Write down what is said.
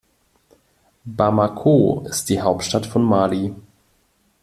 Bamako ist die Hauptstadt von Mali.